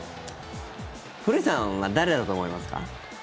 古市さんは誰だと思いますか？